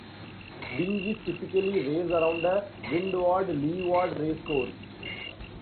Dinghys typically race around a windward-leeward race course.